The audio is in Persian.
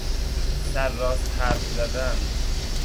سرراست حرف زدن